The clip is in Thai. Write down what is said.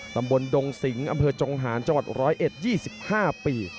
ลำบลดงสิงศ์อำเภอจงหาญจังหวัดร้อยเอ็ด๒๕ปี